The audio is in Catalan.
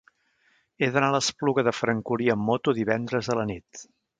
He d'anar a l'Espluga de Francolí amb moto divendres a la nit.